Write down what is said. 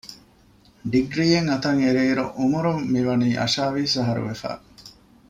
ޑިގްރީއެއް އަތަށްއެރި އިރު އުމުރުން މިވަނީ އަށާވީސް އަހަރު ވެފަ